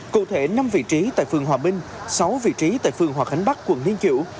cụ thể năm vị trí tại phường hòa minh sáu vị trí tại phường hòa khánh bắc quận liên kiểu